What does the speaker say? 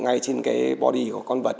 ngay trên body của con vật